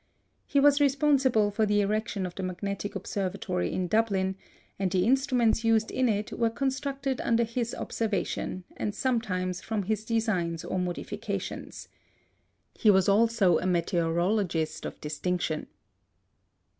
He was responsible for the erection of the Magnetic Observatory in Dublin, and the instruments used in it were constructed under his observation and sometimes from his designs or modifications. He was also a meteorologist of distinction.